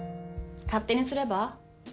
勝手にすれば。